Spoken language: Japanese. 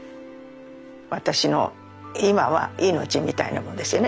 私の今は命みたいなもんですよね。